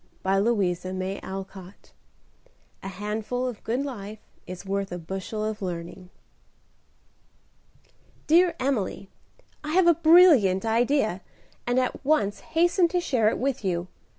A COUNTRY CHRISTMAS "A handful of good life is worth a bushel of learning." "Dear Emily, I have a brilliant idea, and at once hasten to share it with you.